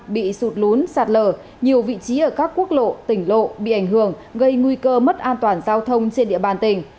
bị sụt lún sạt lở nhiều vị trí ở các quốc lộ tỉnh lộ bị ảnh hưởng gây nguy cơ mất an toàn giao thông trên địa bàn tỉnh